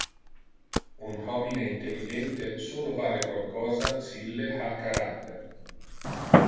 Un homine intelligente solo vale qualcosa si ille ha character.